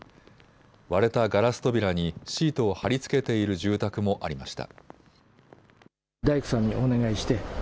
割れたガラス扉にシートを貼り付けている住宅もありました。